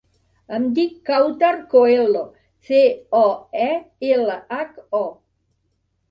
Em dic Kawtar Coelho: ce, o, e, ela, hac, o.